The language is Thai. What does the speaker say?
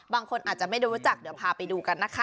บางคนอาจจะไม่รู้จักเดี๋ยวพาไปดูกันนะคะ